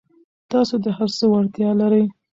تاسو د هر څه وړتیا لرئ.